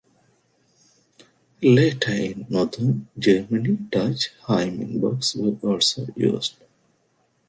Later in northern Germany, Dutch hymn books were also used.